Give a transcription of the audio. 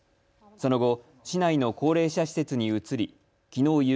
その後、市内の高齢者施設に移りきのう